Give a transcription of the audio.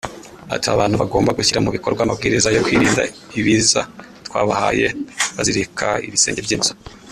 Ati “Abantu bagomba gushyira mu bikorwa amabwiriza yo kwirinda ibiza twabahaye bazirika ibisenge by’inzu